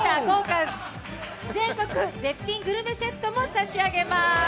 豪華絶品グルメセットも差し上げます。